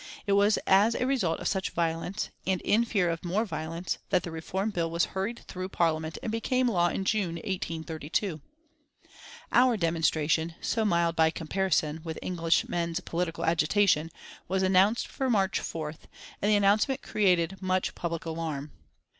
It was as a result of such violence, and in fear of more violence, that the reform bill was hurried through Parliament and became law in June, 1832. Our demonstration, so mild by comparison with English men's political agitation, was announced for March 4th, and the announcement created much public alarm.